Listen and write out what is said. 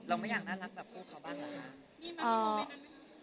เราไม่อยากน่ารักแบบพวกเขาบ้างแล้วค่ะ